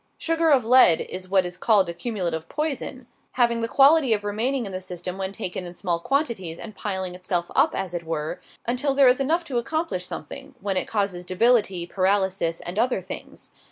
Sugar of lead is what is called a cumulative poison; having the quality of remaining in the system when taken in small quantities, and piling itself up, as it were, until there is enough to accomplish something, when it causes debility, paralysis, and other things.